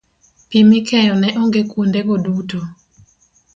Pi mikeyo ne onge kuondego duto